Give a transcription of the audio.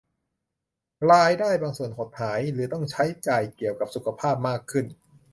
รายได้บางส่วนหดหาย หรือต้องใช้จ่ายเกี่ยวกับสุขภาพมากขึ้น